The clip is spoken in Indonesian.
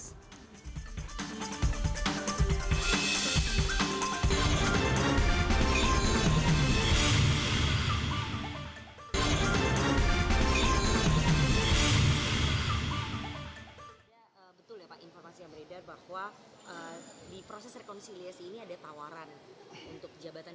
betul ya pak informasi yang beredar bahwa di proses rekonsiliasi ini ada tawaran untuk jabatan